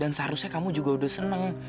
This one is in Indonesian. dan seharusnya kamu juga udah seneng